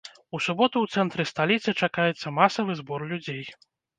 У суботу ў цэнтры сталіцы чакаецца масавы збор людзей.